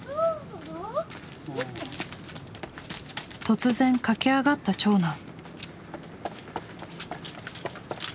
突然駆け上がった長男。